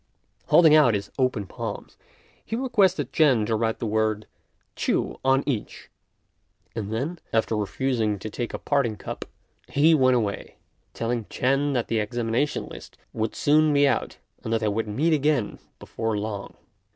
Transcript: Holding out his open palms, he requested Ch'ên to write the word Ch'u on each; and then, after refusing to take a parting cup, he went away, telling Ch'ên that the examination list would soon be out, and that they would meet again before long.